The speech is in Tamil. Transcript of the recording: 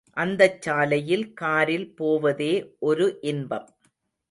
அந்தச் சாலையில் காரில் போவதே ஒரு இன்பம்.